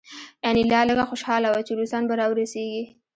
انیلا لږه خوشحاله وه چې روسان به راورسیږي